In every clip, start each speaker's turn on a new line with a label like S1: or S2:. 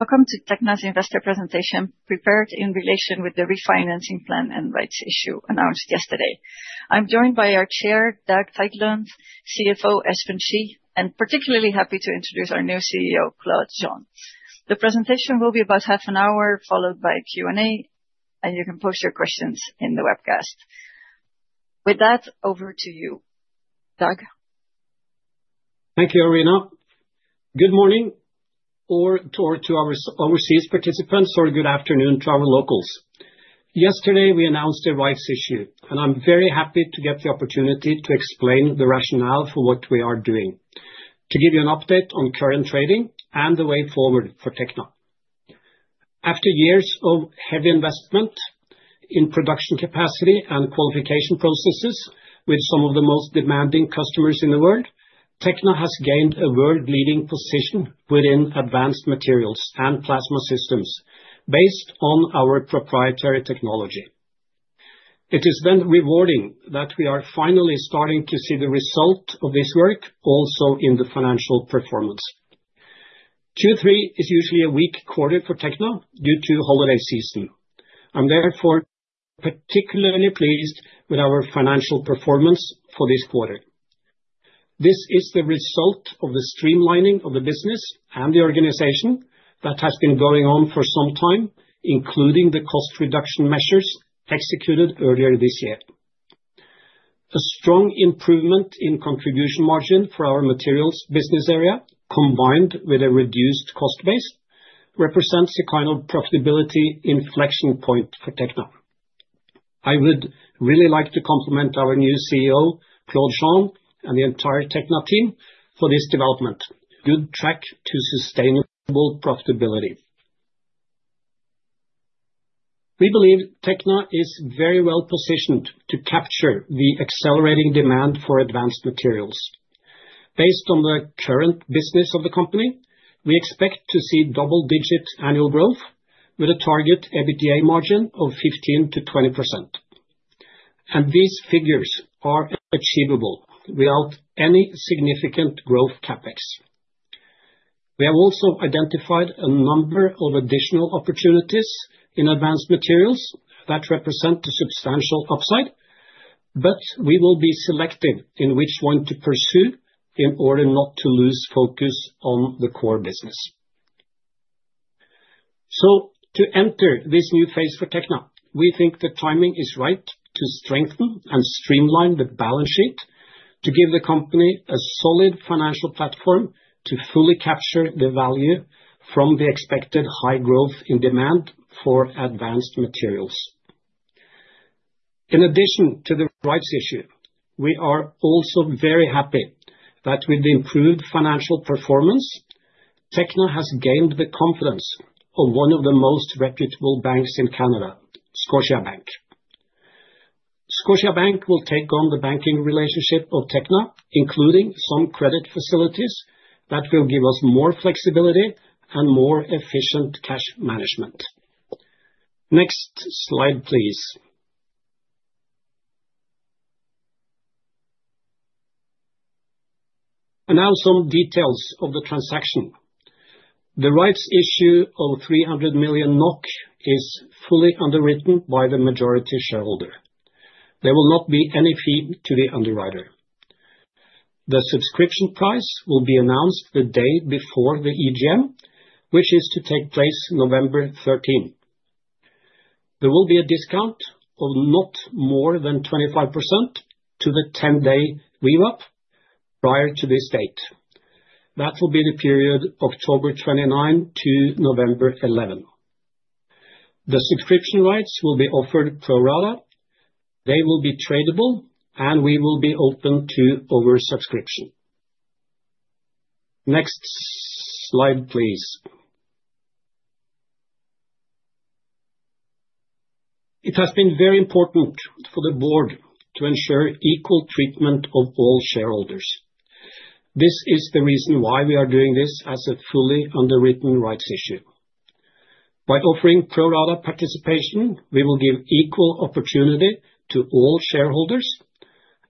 S1: Welcome to Tekna's investor presentation, prepared in relation with the refinancing plan and rights issue announced yesterday. I'm joined by our Chair, Dag Teitlund, CFO, Espen Schie, and particularly happy to introduce our new CEO, Claude Jean. The presentation will be about half an hour, followed by Q&A, and you can post your questions in the webcast. With that, over to you, Dag.
S2: Thank you, Arina. Good morning, or to our overseas participants, or good afternoon to our locals. Yesterday, we announced a rights issue, and I'm very happy to get the opportunity to explain the rationale for what we are doing, to give you an update on current trading and the way forward for Tekna. After years of heavy investment in production capacity and qualification processes with some of the most demanding customers in the world, Tekna has gained a world-leading position within advanced materials and plasma systems based on our proprietary technology. It has been rewarding that we are finally starting to see the result of this work also in the financial performance. Q3 is usually a weak quarter for Tekna due to holiday season. I'm therefore particularly pleased with our financial performance for this quarter. This is the result of the streamlining of the business and the organization that has been going on for some time, including the cost reduction measures executed earlier this year. A strong improvement in contribution margin for our materials business area, combined with a reduced cost base, represents a kind of profitability inflection point for Tekna. I would really like to compliment our new CEO, Claude Jean, and the entire Tekna team for this development. Good track to sustainable profitability. We believe Tekna is very well positioned to capture the accelerating demand for advanced materials. Based on the current business of the company, we expect to see double-digit annual growth with a target EBITDA margin of 15%-20%, and these figures are achievable without any significant growth CAPEX. We have also identified a number of additional opportunities in advanced materials that represent a substantial upside, but we will be selective in which one to pursue in order not to lose focus on the core business. So, to enter this new phase for Tekna, we think the timing is right to strengthen and streamline the balance sheet to give the company a solid financial platform to fully capture the value from the expected high growth in demand for advanced materials. In addition to the rights issue, we are also very happy that with the improved financial performance, Tekna has gained the confidence of one of the most reputable banks in Canada, Scotiabank. Scotiabank will take on the banking relationship of Tekna, including some credit facilities that will give us more flexibility and more efficient cash management. Next slide, please. And now some details of the transaction. The rights issue of 300 million NOK is fully underwritten by the majority shareholder. There will not be any fee to the underwriter. The subscription price will be announced the day before the EGM, which is to take place November 13. There will be a discount of not more than 25% to the 10-day run-up prior to this date. That will be the period October 29 to November 11. The subscription rights will be offered pro rata. They will be tradable, and we will be open to oversubscription. Next slide, please. It has been very important for the board to ensure equal treatment of all shareholders. This is the reason why we are doing this as a fully underwritten rights issue. By offering pro rata participation, we will give equal opportunity to all shareholders,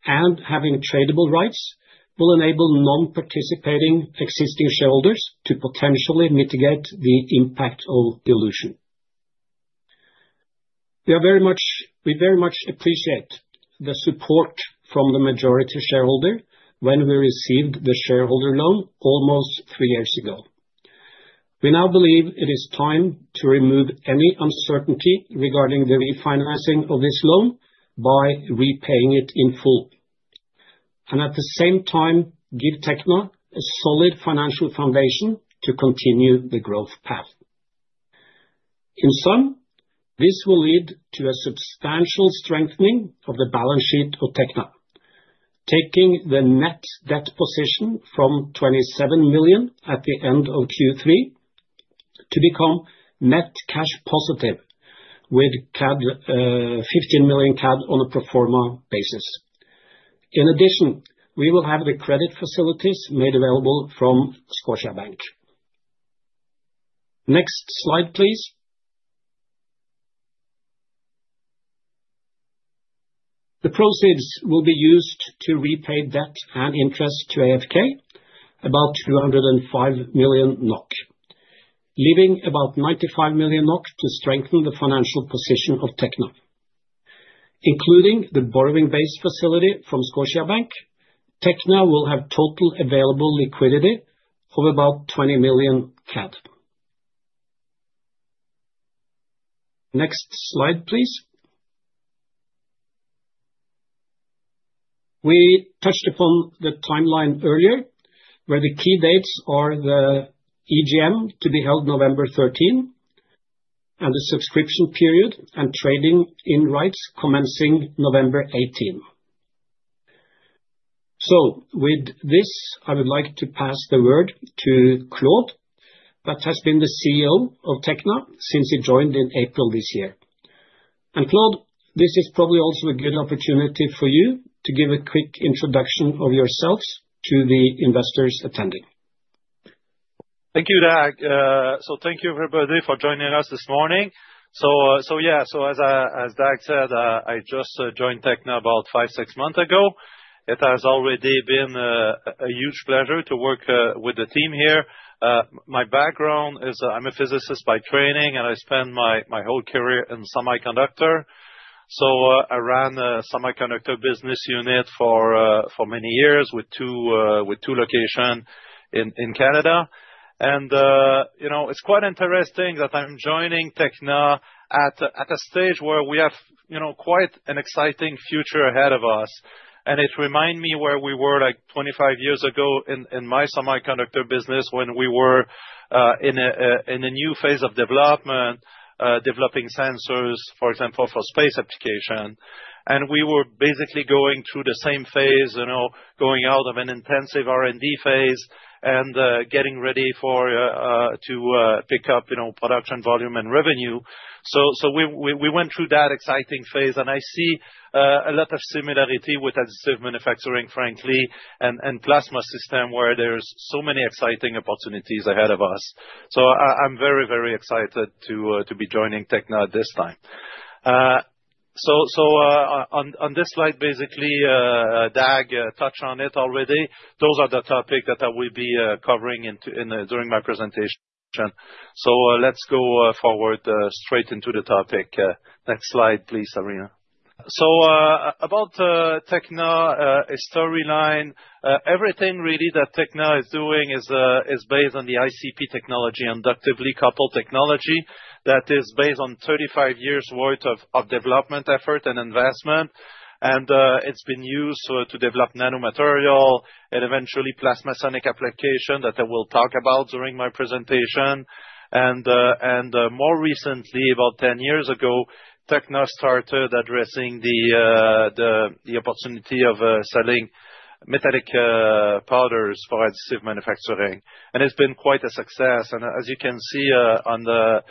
S2: and having tradable rights will enable non-participating existing shareholders to potentially mitigate the impact of dilution. We very much appreciate the support from the majority shareholder when we received the shareholder loan almost three years ago. We now believe it is time to remove any uncertainty regarding the refinancing of this loan by repaying it in full, and at the same time, give Tekna a solid financial foundation to continue the growth path. In sum, this will lead to a substantial strengthening of the balance sheet of Tekna, taking the net debt position from 27 million at the end of Q3 to become net cash positive with 15 million CAD on a pro forma basis. In addition, we will have the credit facilities made available from Scotiabank. Next slide, please. The proceeds will be used to repay debt and interest to AFK, about 205 million NOK, leaving about 95 million NOK to strengthen the financial position of Tekna. Including the borrowing-based facility from Scotiabank, Tekna will have total available liquidity of about 20 million CAD. Next slide, please. We touched upon the timeline earlier, where the key dates are the EGM to be held November 13, and the subscription period and trading in rights commencing November 18. So, with this, I would like to pass the word to Claude, that has been the CEO of Tekna since he joined in April this year. And Claude Jean, this is probably also a good opportunity for you to give a quick introduction of yourselves to the investors attending.
S3: Thank you, Dag Teitlund. So, thank you everybody for joining us this morning. So, yeah, so as Dag said, I just joined Tekna about five, six months ago. It has already been a huge pleasure to work with the team here. My background is, I'm a physicist by training, and I spent my whole career in semiconductor. So, I ran a semiconductor business unit for many years with two locations in Canada. And it's quite interesting that I'm joining Tekna at a stage where we have quite an exciting future ahead of us. And it reminds me where we were like 25 years ago in my semiconductor business when we were in a new phase of development, developing sensors, for example, for space application. And we were basically going through the same phase, going out of an intensive R&D phase and getting ready to pick up production volume and revenue. So, we went through that exciting phase, and I see a lot of similarity with additive manufacturing, frankly, and plasma systems where there's so many exciting opportunities ahead of us. So, I'm very, very excited to be joining Tekna this time. So, on this slide, basically, Dag touched on it already. Those are the topics that I will be covering during my presentation. So, let's go forward straight into the topic. Next slide, please, Arina Van Oost. So, about Tekna storyline, everything really that Tekna is doing is based on the ICP technology, inductively coupled plasma technology that is based on 35 years' worth of development effort and investment. And it's been used to develop nanomaterial and eventually plasma sonic application that I will talk about during my presentation. And more recently, about 10 years ago, Tekna started addressing the opportunity of selling metallic powders for additive manufacturing. It's been quite a success. As you can see on the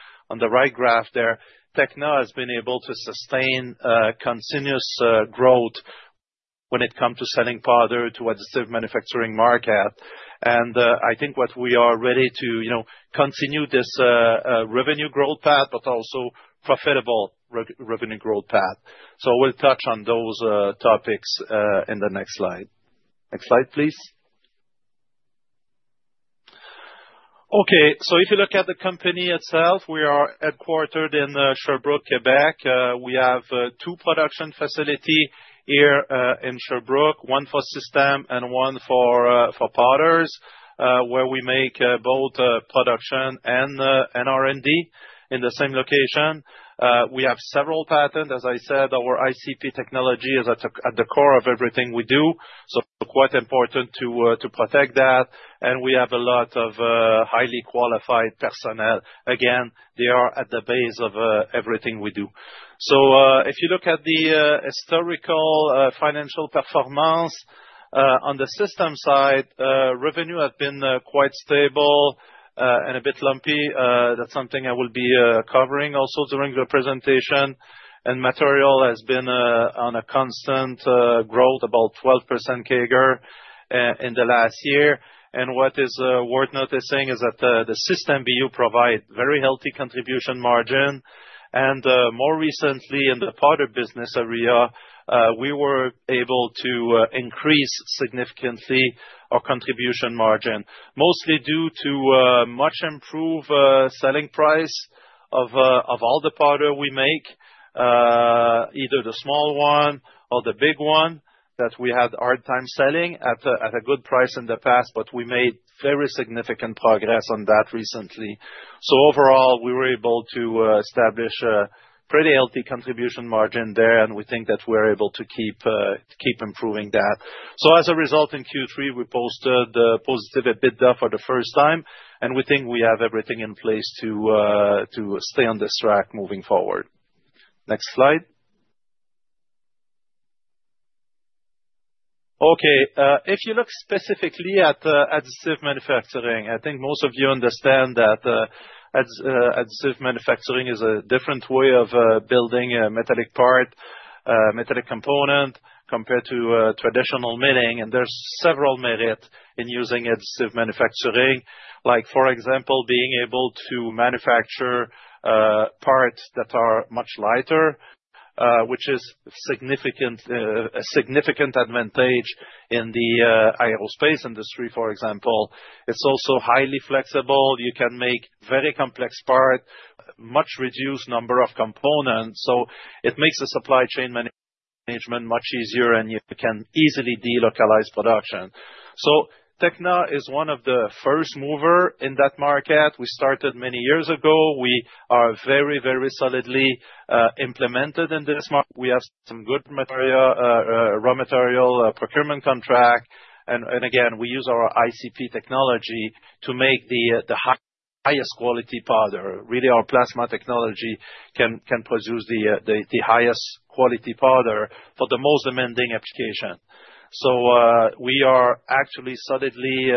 S3: right graph there, Tekna has been able to sustain continuous growth when it comes to selling powder to the additive manufacturing market. I think what we are ready to continue this revenue growth path, but also profitable revenue growth path. We'll touch on those topics in the next slide. Next slide, please. Okay, so if you look at the company itself, we are headquartered in Sherbrooke, Quebec. We have two production facilities here in Sherbrooke, one for system and one for powders, where we make both production and R&D in the same location. We have several patents. As I said, our ICP technology is at the core of everything we do. Quite important to protect that. We have a lot of highly qualified personnel. Again, they are at the base of everything we do, so if you look at the historical financial performance on the system side, revenue has been quite stable and a bit lumpy. That's something I will be covering also during the presentation, and material has been on a constant growth, about 12% CAGR in the last year. And what is worth noticing is that the system BU provides a very healthy contribution margin, and more recently, in the powder business area, we were able to increase significantly our contribution margin, mostly due to a much improved selling price of all the powder we make, either the small one or the big one that we had a hard time selling at a good price in the past, but we made very significant progress on that recently. So, overall, we were able to establish a pretty healthy contribution margin there, and we think that we're able to keep improving that. So, as a result, in Q3, we posted a positive EBITDA for the first time, and we think we have everything in place to stay on this track moving forward. Next slide. Okay, if you look specifically at additive manufacturing, I think most of you understand that additive manufacturing is a different way of building a metallic part, metallic component compared to traditional milling. And there's several merits in using additive manufacturing, like, for example, being able to manufacture parts that are much lighter, which is a significant advantage in the aerospace industry, for example. It's also highly flexible. You can make very complex parts, a much reduced number of components. So, it makes the supply chain management much easier, and you can easily delocalize production. Tekna is one of the first movers in that market. We started many years ago. We are very, very solidly implemented in this market. We have some good raw material procurement contracts. Again, we use our ICP technology to make the highest quality powder. Really, our plasma technology can produce the highest quality powder for the most demanding application. We are actually solidly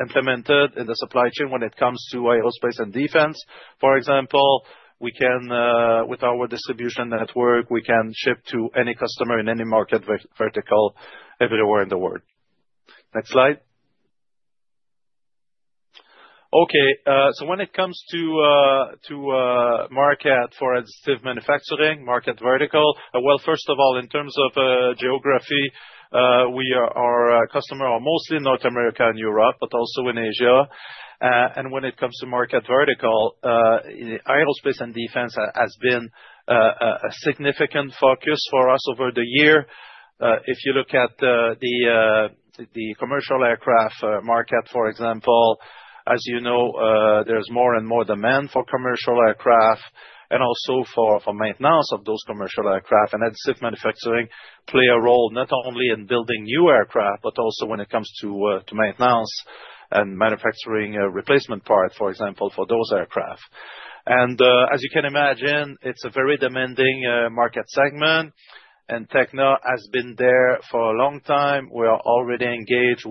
S3: implemented in the supply chain when it comes to aerospace and defense. For example, with our distribution network, we can ship to any customer in any market vertical everywhere in the world. Next slide. Okay, so when it comes to market for additive manufacturing, market vertical, well, first of all, in terms of geography, our customers are mostly North America and Europe, but also in Asia. When it comes to market vertical, aerospace and defense has been a significant focus for us over the years. If you look at the commercial aircraft market, for example, as you know, there's more and more demand for commercial aircraft and also for maintenance of those commercial aircraft. And additive manufacturing plays a role not only in building new aircraft, but also when it comes to maintenance and manufacturing replacement parts, for example, for those aircraft. And as you can imagine, it's a very demanding market segment, and Tekna has been there for a long time. We are already engaged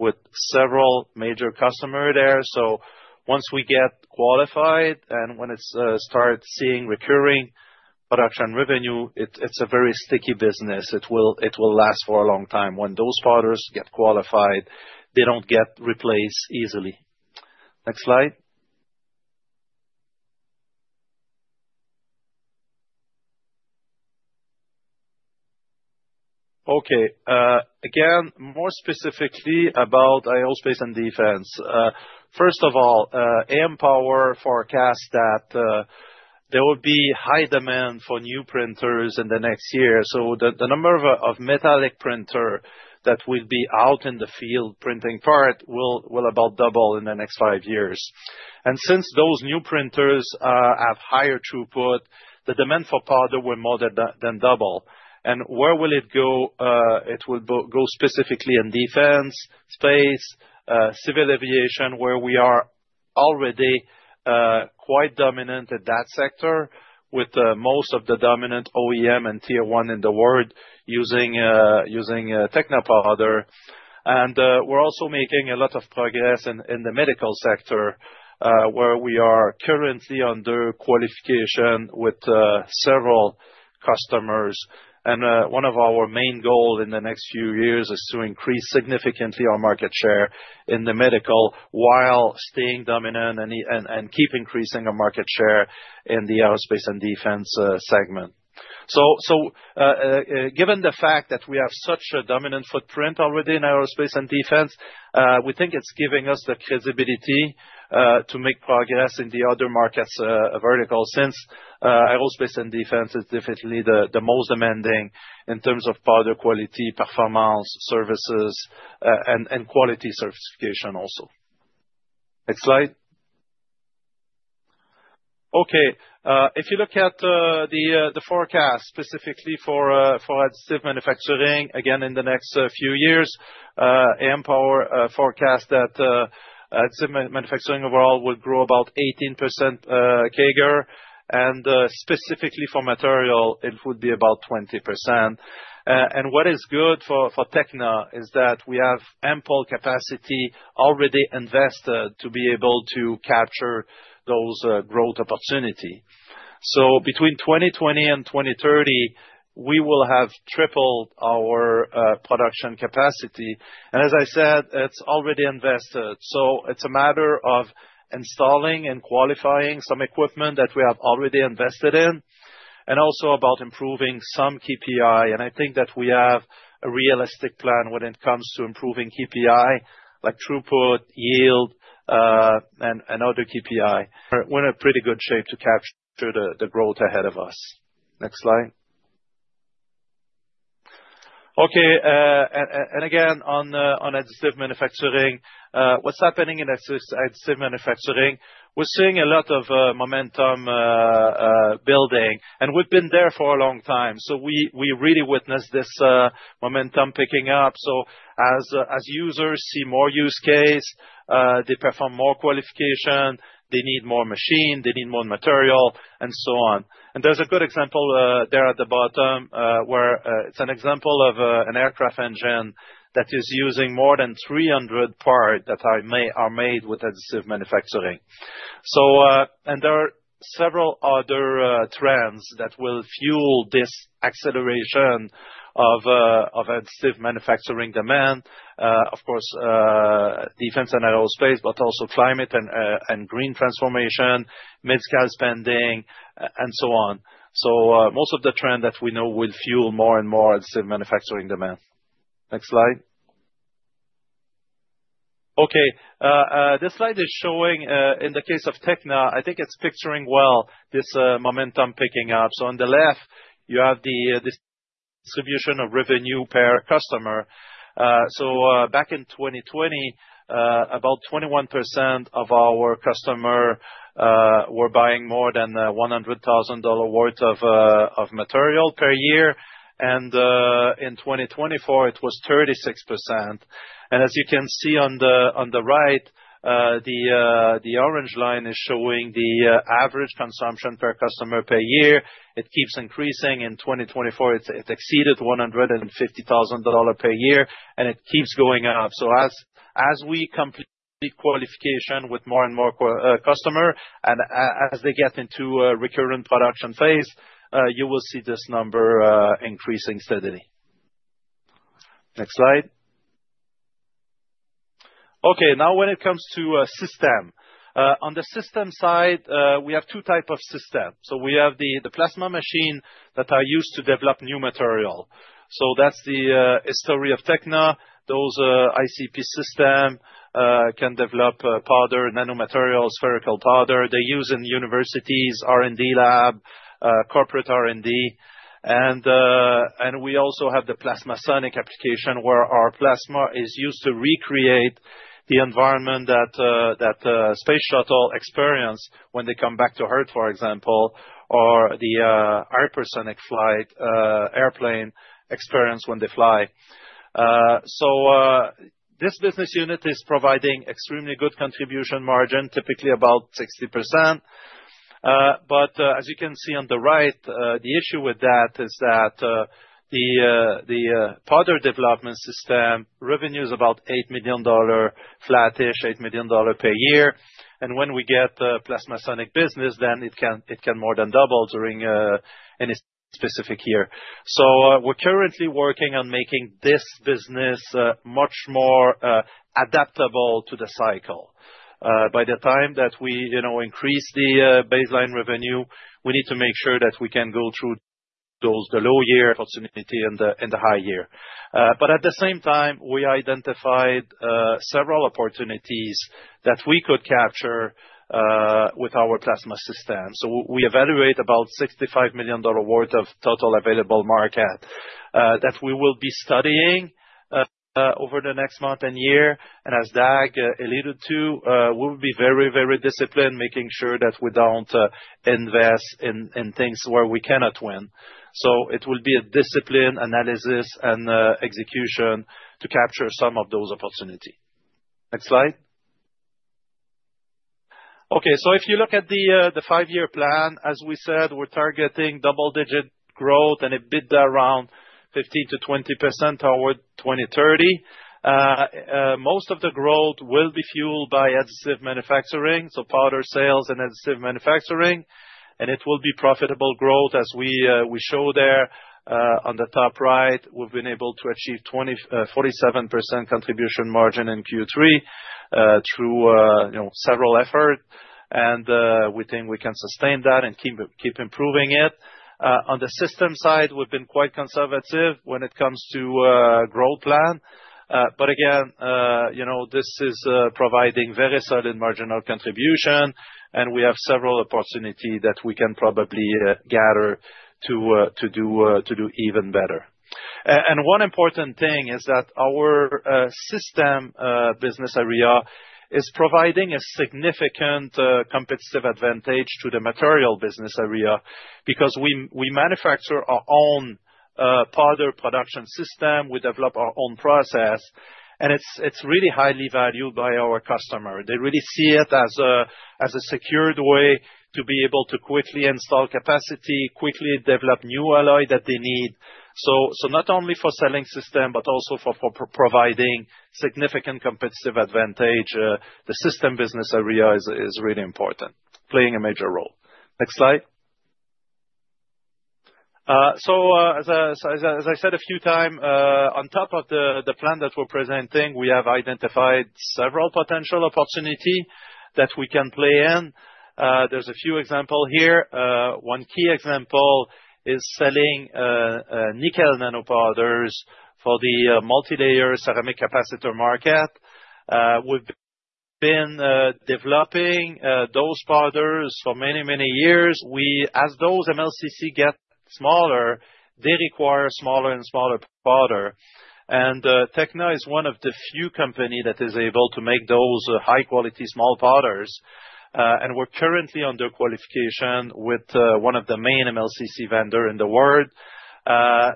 S3: with several major customers there. So, once we get qualified and when it starts seeing recurring production revenue, it's a very sticky business. It will last for a long time. When those powders get qualified, they don't get replaced easily. Next slide. Okay, again, more specifically about aerospace and defense. First of all, AMPOWER forecasts that there will be high demand for new printers in the next year. So, the number of metallic printers that will be out in the field printing part will about double in the next five years. And since those new printers have higher throughput, the demand for powder will more than double. And where will it go? It will go specifically in defense space, civil aviation, where we are already quite dominant in that sector with most of the dominant OEM and tier one in the world using Tekna powder. And we're also making a lot of progress in the medical sector, where we are currently under qualification with several customers. And one of our main goals in the next few years is to increase significantly our market share in the medical while staying dominant and keep increasing our market share in the aerospace and defense segment. So, given the fact that we have such a dominant footprint already in aerospace and defense, we think it's giving us the credibility to make progress in the other market verticals since aerospace and defense is definitely the most demanding in terms of powder quality, performance, services, and quality certification also. Next slide. Okay, if you look at the forecast specifically for additive manufacturing, again, in the next few years, AMPOWER forecasts that additive manufacturing overall will grow about 18% CAGR. And specifically for material, it would be about 20%. And what is good for Tekna is that we have ample capacity already invested to be able to capture those growth opportunities. So, between 2020 and 2030, we will have tripled our production capacity. And as I said, it's already invested. So, it's a matter of installing and qualifying some equipment that we have already invested in and also about improving some KPI. And I think that we have a realistic plan when it comes to improving KPI, like throughput, yield, and other KPI. We're in a pretty good shape to capture the growth ahead of us. Next slide. Okay, and again, on additive manufacturing, what's happening in additive manufacturing? We're seeing a lot of momentum building. And we've been there for a long time. So, we really witnessed this momentum picking up. So, as users see more use cases, they perform more qualifications, they need more machines, they need more material, and so on. There's a good example there at the bottom where it's an example of an aircraft engine that is using more than 300 parts that are made with additive manufacturing. There are several other trends that will fuel this acceleration of additive manufacturing demand, of course, defense and aerospace, but also climate and green transformation, mid-scale spending, and so on. Most of the trends that we know will fuel more and more additive manufacturing demand. Next slide. Okay, this slide is showing in the case of Tekna. I think it's picturing well this momentum picking up. On the left, you have the distribution of revenue per customer. Back in 2020, about 21% of our customers were buying more than 100,000 dollar worth of material per year. In 2024, it was 36%. As you can see on the right, the orange line is showing the average consumption per customer per year. It keeps increasing. In 2024, it exceeded 150,000 dollar per year, and it keeps going up. So, as we complete qualification with more and more customers and as they get into a recurrent production phase, you will see this number increasing steadily. Next slide. Okay, now when it comes to system, on the system side, we have two types of system. So, we have the plasma machines that are used to develop new material. So, that's the story of Tekna. Those ICP systems can develop powder, nanomaterials, spherical powder. They're used in universities, R&D lab, corporate R&D. We also have the PlasmaSonic application where our plasma is used to recreate the environment that space shuttle experiences when they come back to Earth, for example, or the hypersonic flight airplane experience when they fly. This business unit is providing extremely good contribution margin, typically about 60%. As you can see on the right, the issue with that is that the powder development system revenues about $8 million, flat-ish $8 million per year. When we get a PlasmaSonic business, then it can more than double during any specific year. We're currently working on making this business much more adaptable to the cycle. By the time that we increase the baseline revenue, we need to make sure that we can go through the low year opportunity and the high year. But at the same time, we identified several opportunities that we could capture with our plasma system. So, we evaluate about $65 million worth of total available market that we will be studying over the next month and year. And as Dag alluded to, we'll be very, very disciplined making sure that we don't invest in things where we cannot win. So, it will be a disciplined analysis and execution to capture some of those opportunities. Next slide. Okay, so if you look at the five-year plan, as we said, we're targeting double-digit growth and EBITDA around 15%-20% toward 2030. Most of the growth will be fueled by additive manufacturing, so powder sales and additive manufacturing. And it will be profitable growth as we show there on the top right. We've been able to achieve 47% contribution margin in Q3 through several efforts. And we think we can sustain that and keep improving it. On the system side, we've been quite conservative when it comes to growth plan. But again, this is providing very solid marginal contribution, and we have several opportunities that we can probably gather to do even better. And one important thing is that our system business area is providing a significant competitive advantage to the material business area because we manufacture our own powder production system. We develop our own process, and it's really highly valued by our customers. They really see it as a secured way to be able to quickly install capacity, quickly develop new alloys that they need. So, not only for selling systems, but also for providing significant competitive advantage, the system business area is really important, playing a major role. Next slide. As I said a few times, on top of the plan that we're presenting, we have identified several potential opportunities that we can play in. There's a few examples here. One key example is selling nickel nanopowders for the multi-layer ceramic capacitor market. We've been developing those powders for many, many years. As those MLCCs get smaller, they require smaller and smaller powder. And Tekna is one of the few companies that is able to make those high-quality small powders. And we're currently under qualification with one of the main MLCC vendors in the world.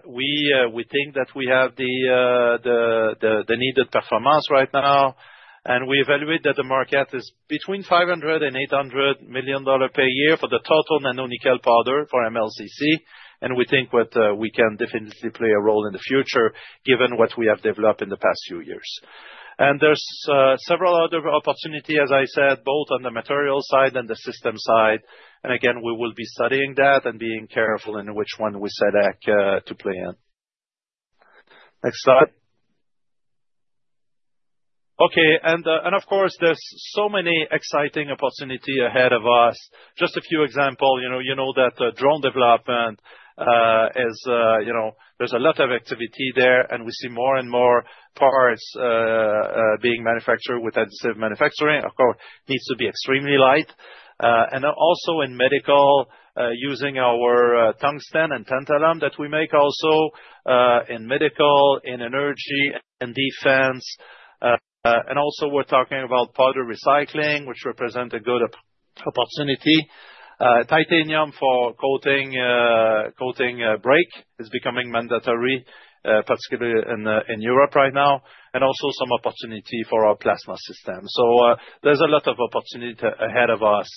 S3: We think that we have the needed performance right now. And we evaluate that the market is between $500 and $800 million per year for the total nanonickel powder for MLCC. And we think that we can definitely play a role in the future given what we have developed in the past few years. And there's several other opportunities, as I said, both on the material side and the system side. And again, we will be studying that and being careful in which one we select to play in. Next slide. Okay, and of course, there's so many exciting opportunities ahead of us. Just a few examples. You know that drone development, there's a lot of activity there, and we see more and more parts being manufactured with additive manufacturing. Of course, it needs to be extremely light. And also in medical, using our tungsten and tantalum that we make also in medical, in energy, in defense. And also, we're talking about powder recycling, which represents a good opportunity. Titanium for coating brakes is becoming mandatory, particularly in Europe right now. And also some opportunity for our plasma system. So, there's a lot of opportunities ahead of us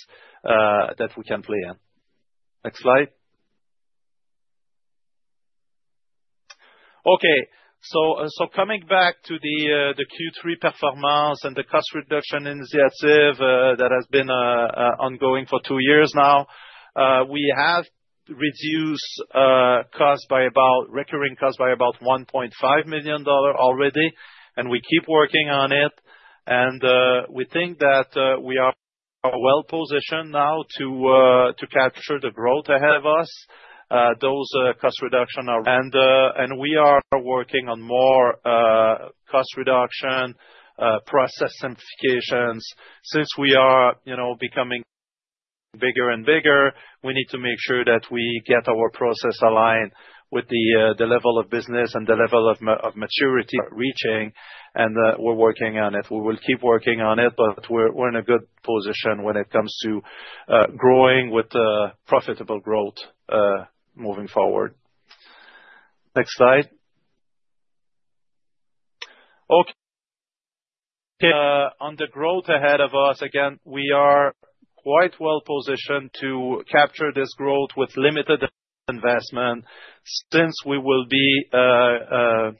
S3: that we can play in. Next slide. Okay, so coming back to the Q3 performance and the cost reduction initiative that has been ongoing for two years now, we have reduced recurring costs by about 1.5 million dollar already, and we keep working on it. And we think that we are well positioned now to capture the growth ahead of us. Those cost reductions are. And we are working on more cost reduction process simplifications. Since we are becoming bigger and bigger, we need to make sure that we get our process aligned with the level of business and the level of maturity reaching. And we're working on it. We will keep working on it, but we're in a good position when it comes to growing with profitable growth moving forward. Next slide. Okay, on the growth ahead of us, again, we are quite well positioned to capture this growth with limited investment since we will be about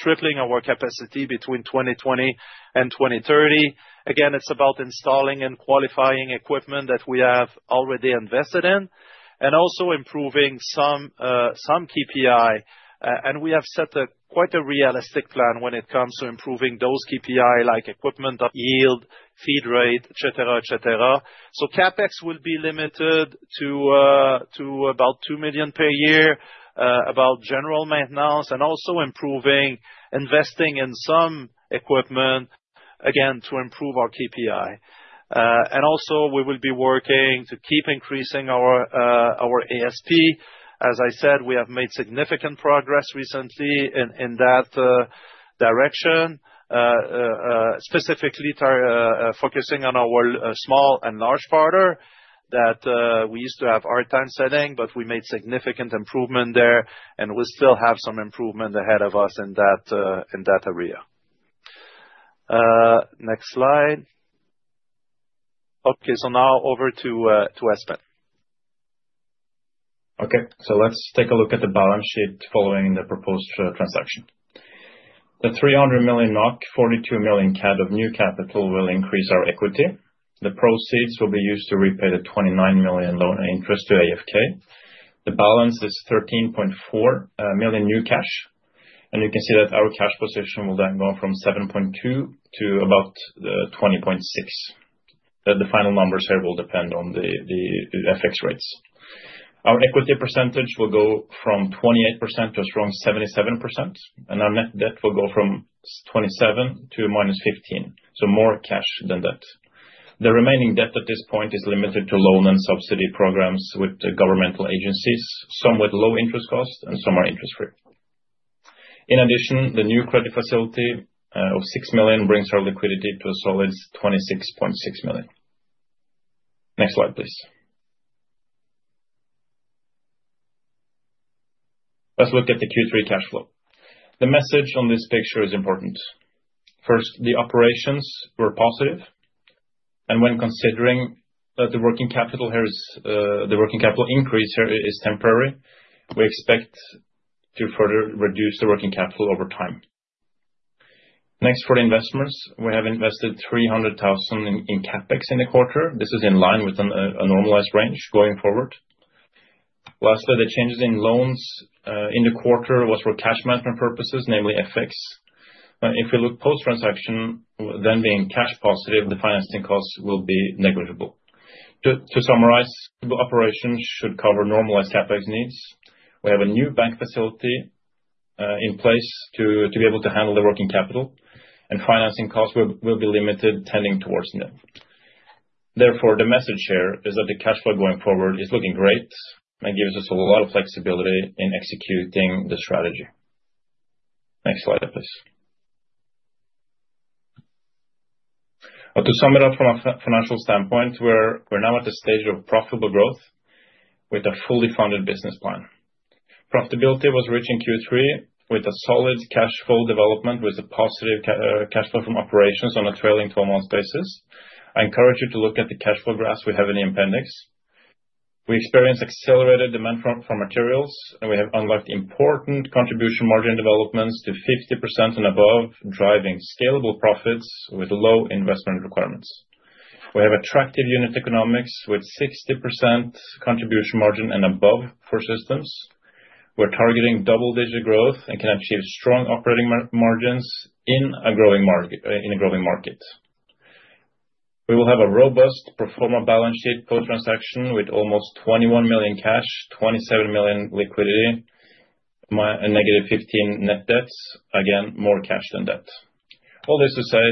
S3: tripling our capacity between 2020 and 2030. Again, it's about installing and qualifying equipment that we have already invested in and also improving some KPI. And we have set quite a realistic plan when it comes to improving those KPIs like equipment, yield, feed rate, etc., etc. So, CapEx will be limited to about 2 million per year, about general maintenance, and also improving, investing in some equipment, again, to improve our KPI. And also, we will be working to keep increasing our ASP. As I said, we have made significant progress recently in that direction, specifically focusing on our small and large powder that we used to have hard time setting, but we made significant improvement there. And we still have some improvement ahead of us in that area. Next slide. Okay, so now over to Espen. Okay, so let's take a look at the balance sheet following the proposed transaction. The 300 million NOK, 42 million CAD of new capital will increase our equity. The proceeds will be used to repay the 29 million loan interest to AFK. The balance is 13.4 million new cash. And you can see that our cash position will then go from 7.2 to about 20.6. The final numbers here will depend on the FX rates. Our equity percentage will go from 28% to as strong as 77%. And our net debt will go from 27 to minus 15, so more cash than debt. The remaining debt at this point is limited to loan and subsidy programs with governmental agencies, some with low interest costs and some are interest-free. In addition, the new credit facility of 6 million brings our liquidity to a solid 26.6 million. Next slide, please. Let's look at the Q3 cash flow. The message on this picture is important. First, the operations were positive, and when considering that the working capital increase here is temporary, we expect to further reduce the working capital over time. Next, for the investments, we have invested 300,000 in CapEx in the quarter. This is in line with a normalized range going forward. Lastly, the changes in loans in the quarter were for cash management purposes, namely FX. If we look post-transaction, then being cash positive, the financing costs will be negligible. To summarize, the operations should cover normalized CapEx needs. We have a new bank facility in place to be able to handle the working capital, and financing costs will be limited, tending towards net. Therefore, the message here is that the cash flow going forward is looking great and gives us a lot of flexibility in executing the strategy. Next slide, please. To sum it up from a financial standpoint, we're now at a stage of profitable growth with a fully funded business plan. Profitability was reached in Q3 with a solid cash flow development with a positive cash flow from operations on a trailing 12-month basis. I encourage you to look at the cash flow graphs we have in the appendix. We experienced accelerated demand for materials, and we have unlocked important contribution margin developments to 50% and above, driving scalable profits with low investment requirements. We have attractive unit economics with 60% contribution margin and above for systems. We're targeting double-digit growth and can achieve strong operating margins in a growing market. We will have a robust pro forma balance sheet post-transaction with almost 21 million cash, 27 million liquidity, and negative 15 net debt. Again, more cash than debt. All this to say,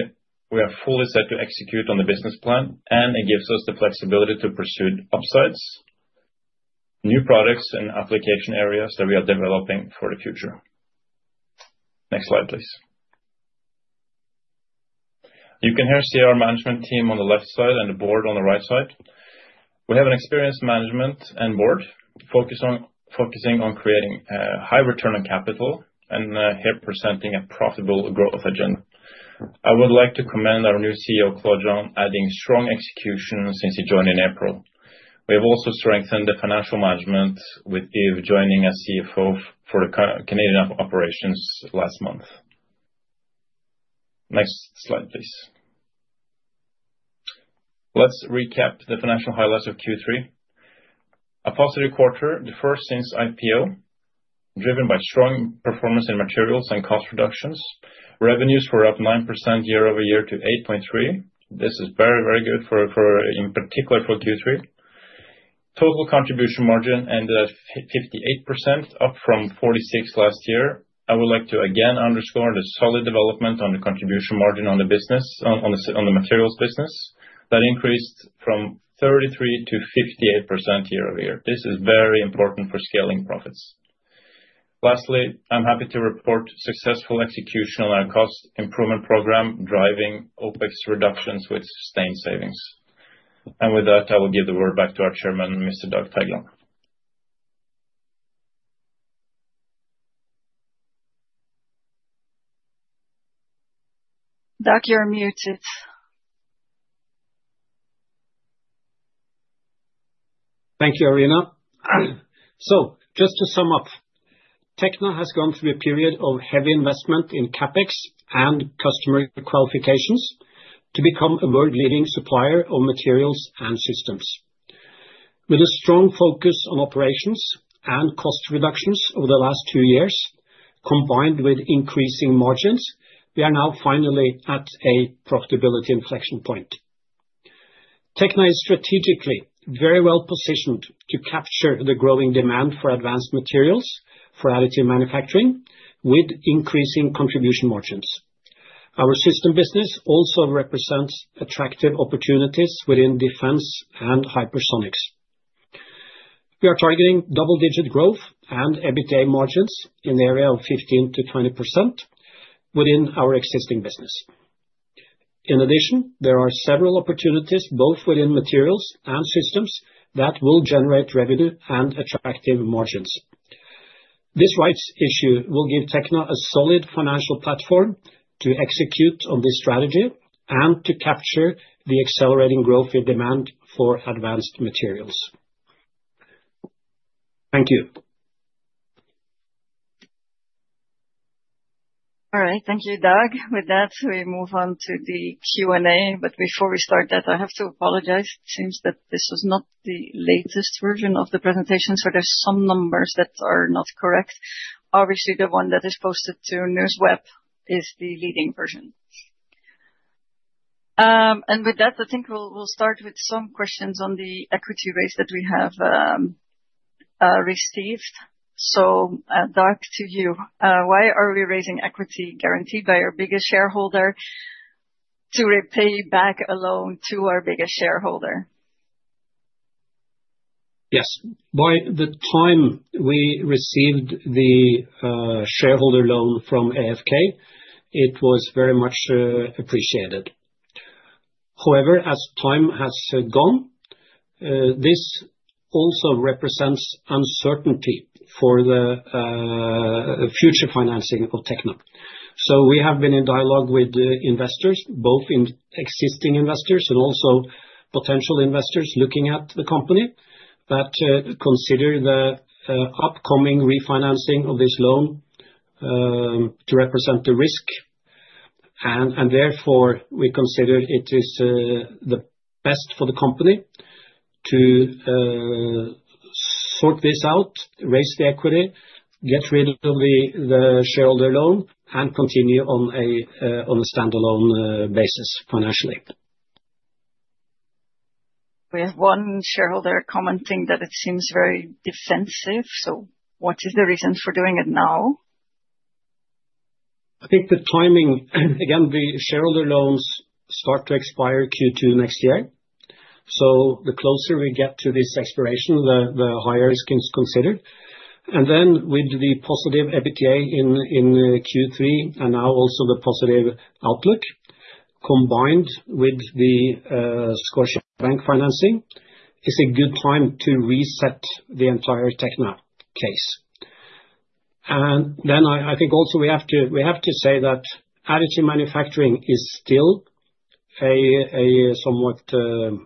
S3: we are fully set to execute on the business plan, and it gives us the flexibility to pursue upsides, new products, and application areas that we are developing for the future. Next slide, please. You can here see our management team on the left side and the board on the right side. We have an experienced management and board focusing on creating high return on capital and here presenting a profitable growth agenda. I would like to commend our new CEO, Claude Jean, adding strong execution since he joined in April. We have also strengthened the financial management with Yves joining as CFO for the Canadian operations last month. Next slide, please. Let's recap the financial highlights of Q3. A positive quarter, the first since IPO, driven by strong performance in materials and cost reductions. Revenues were up 9% year over year to $8.3. This is very, very good, in particular for Q3. Total contribution margin ended at 58%, up from 46% last year. I would like to again underscore the solid development on the contribution margin on the materials business that increased from 33% to 58% year over year. This is very important for scaling profits. Lastly, I'm happy to report successful execution on our cost improvement program, driving OPEX reductions with sustained savings. And with that, I will give the word back to our chairman, Mr. Dag Teitlund. Dag, you're muted. Thank you, Arina. So, just to sum up, Tekna has gone through a period of heavy investment in CAPEX and customer qualifications to become a world-leading supplier of materials and systems. With a strong focus on operations and cost reductions over the last two years, combined with increasing margins, we are now finally at a profitability inflection point. Tekna is strategically very well positioned to capture the growing demand for advanced materials for additive manufacturing with increasing contribution margins. Our system business also represents attractive opportunities within defense and hypersonics. We are targeting double-digit growth and EBITDA margins in the area of 15%-20% within our existing business. In addition, there are several opportunities, both within materials and systems, that will generate revenue and attractive margins. This rights issue will give Tekna a solid financial platform to execute on this strategy and to capture the accelerating growth in demand for advanced materials. Thank you. All right, thank you, Doug. With that, we move on to the Q&A. But before we start that, I have to apologize. It seems that this was not the latest version of the presentation, so there are some numbers that are not correct. Obviously, the one that is posted to NewsWeb is the leading version. And with that, I think we'll start with some questions on the equity raise that we have received. So, Doug, to you. Why are we raising equity guaranteed by our biggest shareholder to repay back a loan to our biggest shareholder? Yes. By the time we received the shareholder loan from AFK, it was very much appreciated. However, as time has gone, this also represents uncertainty for the future financing of Tekna. So, we have been in dialogue with investors, both existing investors and also potential investors looking at the company, that consider the upcoming refinancing of this loan to represent the risk. Therefore, we consider it is the best for the company to sort this out, raise the equity, get rid of the shareholder loan, and continue on a standalone basis financially. We have one shareholder commenting that it seems very defensive. What is the reason for doing it now? I think the timing. Again, the shareholder loans start to expire Q2 next year. The closer we get to this expiration, the higher it's considered. Then, with the positive EBITDA in Q3 and now also the positive outlook combined with the Scotiabank financing, it's a good time to reset the entire Tekna case. Then, I think also we have to say that additive manufacturing is still a somewhat, what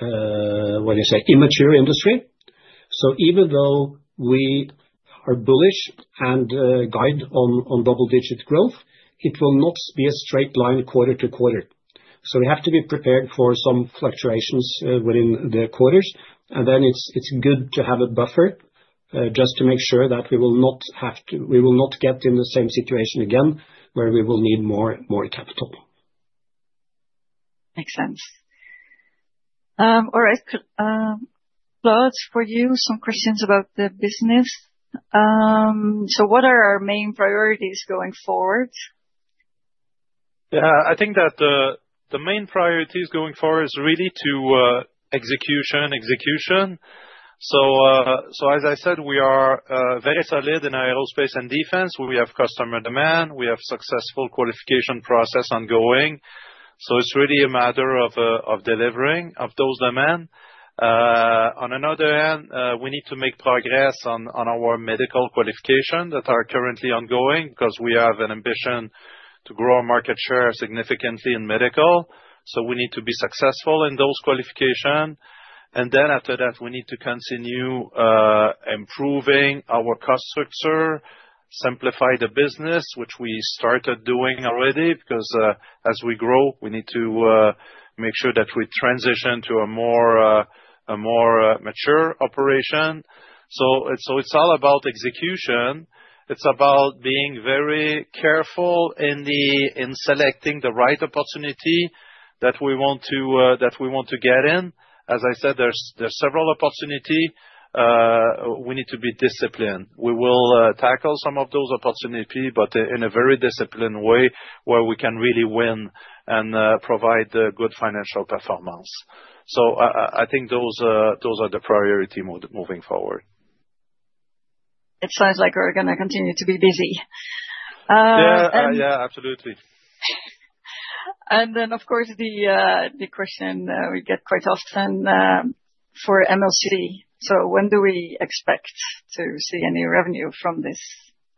S3: do you say, immature industry. Even though we are bullish and guide on double-digit growth, it will not be a straight line quarter to quarter. So, we have to be prepared for some fluctuations within the quarters. And then, it's good to have a buffer just to make sure that we will not have to, we will not get in the same situation again where we will need more capital. Makes sense. All right, Claude, for you, some questions about the business. So, what are our main priorities going forward? I think that the main priorities going forward is really to execution, execution. So, as I said, we are very solid in our aerospace and defense. We have customer demand. We have successful qualification process ongoing. So, it's really a matter of delivering those demands. On another hand, we need to make progress on our medical qualifications that are currently ongoing because we have an ambition to grow our market share significantly in medical. So, we need to be successful in those qualifications. Then, after that, we need to continue improving our cost structure, simplify the business, which we started doing already because as we grow, we need to make sure that we transition to a more mature operation. So, it's all about execution. It's about being very careful in selecting the right opportunity that we want to get in. As I said, there are several opportunities. We need to be disciplined. We will tackle some of those opportunities, but in a very disciplined way where we can really win and provide good financial performance. So, I think those are the priorities moving forward. It sounds like we're going to continue to be busy. Yeah, yeah, absolutely. And then, of course, the question we get quite often for MLCC, so when do we expect to see any revenue from this?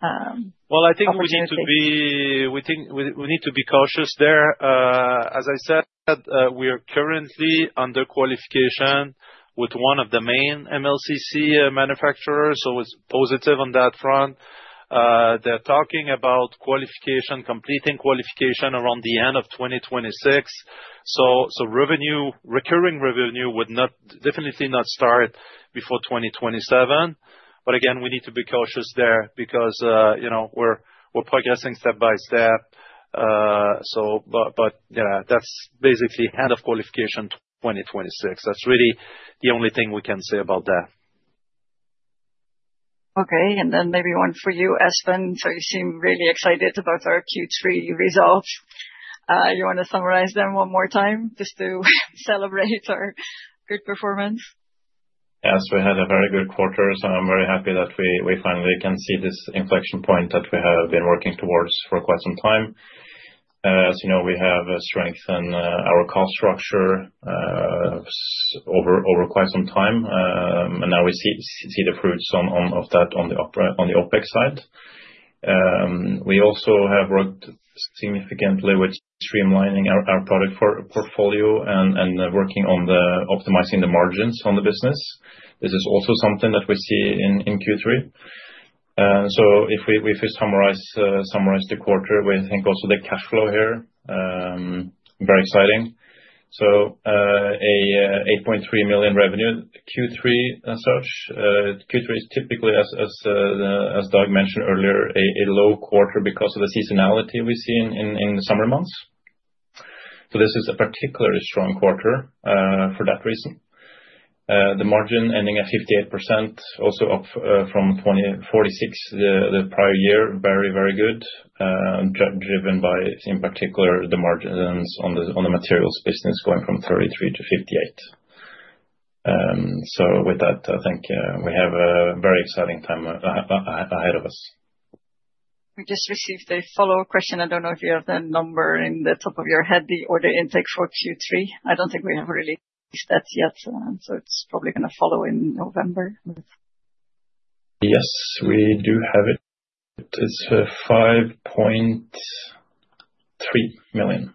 S3: I think we need to be cautious there. As I said, we are currently under qualification with one of the main MLCC manufacturers, so it's positive on that front. They're talking about qualification, completing qualification around the end of 2026. Recurring revenue would definitely not start before 2027. Again, we need to be cautious there because we're progressing step by step. Yeah, that's basically end of qualification 2026. That's really the only thing we can say about that. Okay. Then maybe one for you, Espen. You seem really excited about our Q3 results. You want to summarize them one more time just to celebrate our good performance? Yes, we had a very good quarter, so I'm very happy that we finally can see this inflection point that we have been working towards for quite some time. As you know, we have strengthened our cost structure over quite some time, and now we see the fruits of that on the OPEX side. We also have worked significantly with streamlining our product portfolio and working on optimizing the margins on the business. This is also something that we see in Q3. So, if we summarize the quarter, we think also the cash flow here is very exciting. So, a 8.3 million revenue Q3 as such. Q3 is typically, as Dag mentioned earlier, a low quarter because of the seasonality we see in the summer months. So, this is a particularly strong quarter for that reason. The margin ending at 58%, also up from 46% the prior year, very, very good, driven by, in particular, the margins on the materials business going from 33% to 58%. With that, I think we have a very exciting time ahead of us. We just received a follow-up question. I don't know if you have the number at the top of your head, the order intake for Q3. I don't think we have released that yet, so it's probably going to follow in November. Yes, we do have it. It's 5.3 million.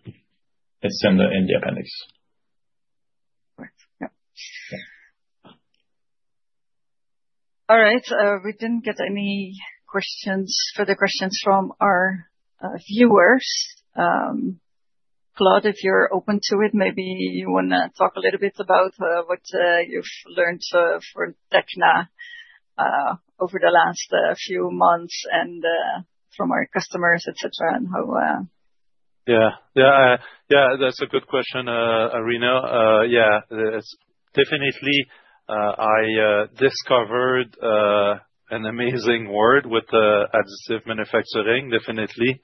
S3: It's in the appendix. All right. We didn't get any further questions from our viewers. Claude, if you're open to it, maybe you want to talk a little bit about what you've learned for Tekna over the last few months and from our customers, etc., and how. Yeah, yeah, yeah, that's a good question, Arina. Yeah, definitely, I discovered an amazing world with additive manufacturing, definitely.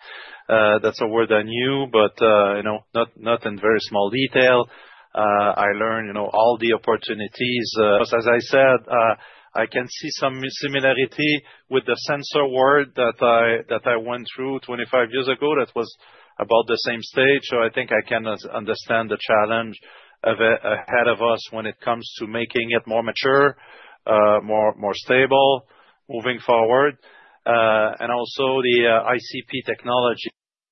S3: That's a world I knew, but not in very great detail. I learned all the opportunities. As I said, I can see some similarity with the sensor world that I went through 25 years ago that was about the same stage. So, I think I can understand the challenge ahead of us when it comes to making it more mature, more stable moving forward. And also, the ICP technology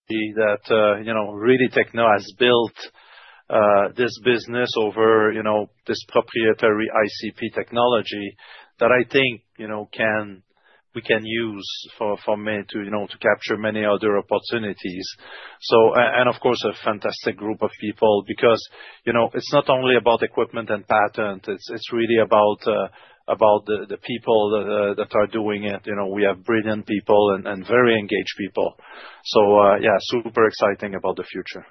S3: that really Tekna has built this business over this proprietary ICP technology that I think we can use for many to capture many other opportunities. So, and of course, a fantastic group of people because it's not only about equipment and patent. It's really about the people that are doing it. We have brilliant people and very engaged people. So, yeah, super exciting about the future.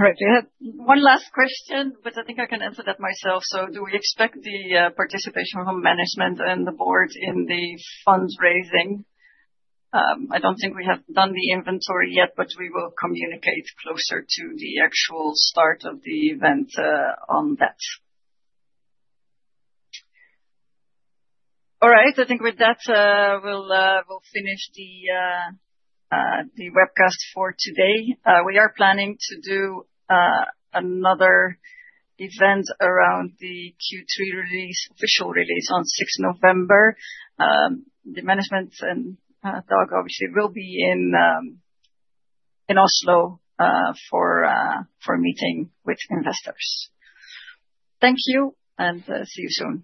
S3: All right. We had one last question, but I think I can answer that myself. So, do we expect the participation from management and the board in the fundraising? I don't think we have done the inventory yet, but we will communicate closer to the actual start of the event on that. All right. I think with that, we'll finish the webcast for today. We are planning to do another event around the Q3 release, official release on 6 November. The management and Dag, obviously, will be in Oslo for a meeting with investors. Thank you and see you soon.